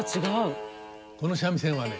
この三味線はね